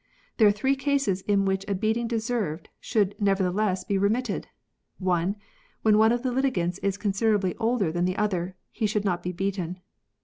] "There are three cases in which a beating deserved should never theless be remitted. (1.) When one of the litigants is considerably older than the other, he should not be beaten.